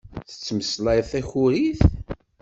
Tettmeslayeḍ takurit?